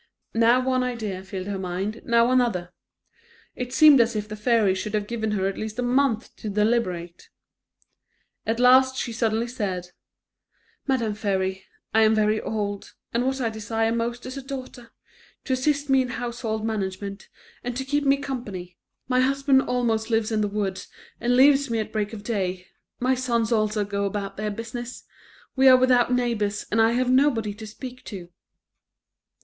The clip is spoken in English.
Now one idea filled her mind, now another; it seemed as if the fairy should have given her at least a month to deliberate. At last she suddenly said: "Madam Fairy, I am very old, and what I desire most is a daughter, to assist me in household management and to keep me company; my husband almost lives in the woods and leaves me at break of day; my sons also go about their business; we are without neighbours, and I have nobody to speak to."